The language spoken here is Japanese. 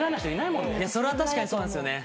それは確かにそうなんですよね。